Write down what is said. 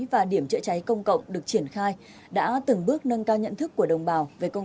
và điểm chữa cháy công cộng được triển khai đã từng bước nâng cao nhận thức của đồng bào về công